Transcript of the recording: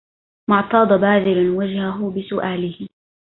ما اعتاض باذل وجهه بسؤاله